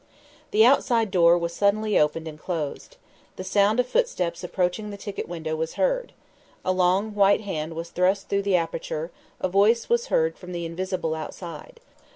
The outside door was suddenly opened and closed. The sound of footsteps approaching the ticket window was heard. A long, white hand was thrust through the aperture, a voice was heard from the invisible outside.